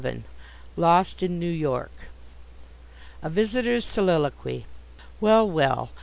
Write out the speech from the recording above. XI. Lost in New York A VISITOR'S SOLILOQUY Well! Well!